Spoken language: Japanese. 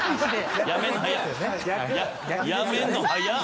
やめんの早っ！